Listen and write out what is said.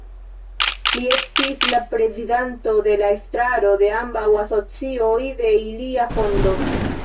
Li estis la prezidanto de la estraro de ambaŭ asocioj de ilia fondo.